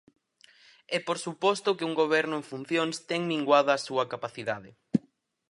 E por suposto que un Goberno en funcións ten minguada a súa capacidade.